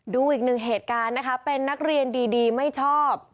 ดูอีกหนึ่งเหตุการณ์นะคะเป็นนักเรียนดีไม่ชอบ